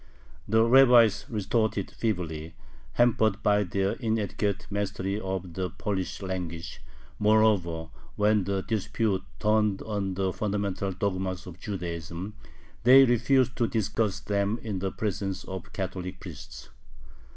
The rabbis retorted feebly, hampered by their inadequate mastery of the Polish language; moreover, when the dispute turned on the fundamental dogmas of Judaism, they refused to discuss them in the presence of Catholic priests.